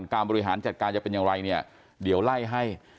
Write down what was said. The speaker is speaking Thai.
บริหารจัดการจะเป็นอย่างไรเนี่ยเดี๋ยวไล่ให้